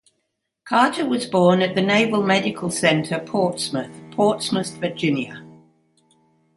Carter was born at the Naval Medical Center Portsmouth, Portsmouth, Virginia.